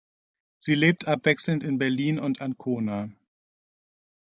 Sie lebt abwechselnd in Berlin und Ancona.